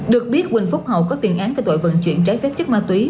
được biết huỳnh phúc hậu có tiền án về tội vận chuyển trái phép chất ma túy